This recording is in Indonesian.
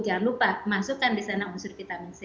jangan lupa masukkan di sana unsur vitamin c